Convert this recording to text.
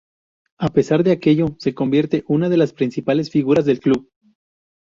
A pesar de aquello se convierte una de las principales figuras del club.